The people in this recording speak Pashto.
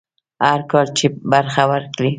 هر کال چې برخه ورکړي.